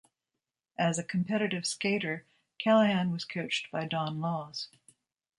As a competitive skater, Callaghan was coached by Don Laws.